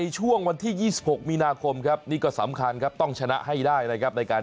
ช่วงวันที่๒๖มีนาคมครับนี่ก็สำคัญครับต้องชนะให้ได้นะครับในการ